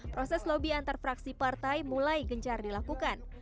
proses lobby antar fraksi partai mulai gencar dilakukan